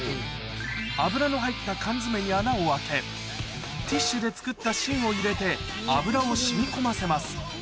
油の入った缶詰に穴を開けティッシュで作った芯を入れて油を染み込ませます